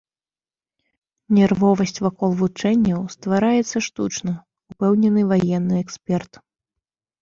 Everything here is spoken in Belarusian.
Нервовасць вакол вучэнняў ствараецца штучна, упэўнены ваенны эксперт.